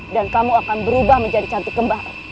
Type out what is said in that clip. kamu akan berubah menjadi cantik kembar